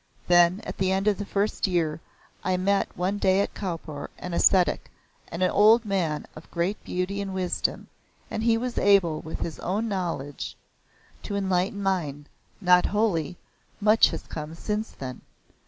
Then, at the end of the first year, I met one day at Cawnpore, an ascetic, an old man of great beauty and wisdom, and he was able by his own knowledge to enlighten mine. Not wholly much has come since then.